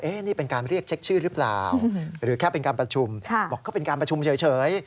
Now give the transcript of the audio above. นี่เป็นการเรียกเช็คชื่อหรือเปล่าหรือแค่เป็นการประชุมบอกก็เป็นการประชุมเฉย